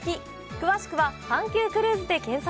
詳しくは「阪急クルーズ」で検索。